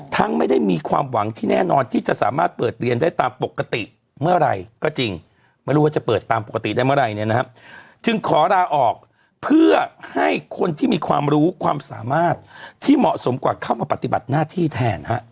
ไม่ได้มีความหวังที่แน่นอนที่จะสามารถเปิดเรียนได้ตามปกติเมื่อไหร่ก็จริงไม่รู้ว่าจะเปิดตามปกติได้เมื่อไหร่เนี่ยนะครับจึงขอลาออกเพื่อให้คนที่มีความรู้ความสามารถที่เหมาะสมกว่าเข้ามาปฏิบัติหน้าที่แทนฮะ